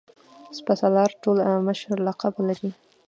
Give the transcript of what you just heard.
سپه سالار ټول مشر لقب لري.